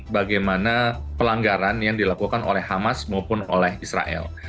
bagaimana pelanggaran yang dilakukan oleh hamas maupun oleh israel